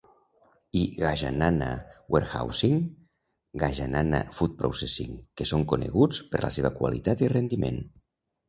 I Gajanana Warehousing, Gajanana Food Processing que són coneguts per la seva qualitat i rendiment.